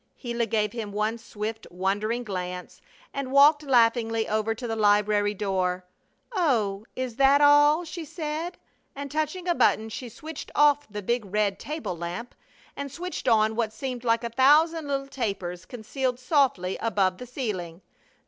Gila gave him one swift, wondering glance and walked laughingly over to the library door. "Oh, is that all?" she said, and, touching a button, she switched off the big red table lamp and switched on what seemed like a thousand little tapers concealed softly about the ceiling.